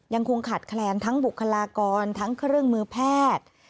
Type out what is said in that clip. ยังคงขาดแคลนทั้งบุคลากรทั้งเครื่องมือแพทย์